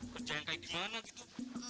kerjaan kayak gimana gitu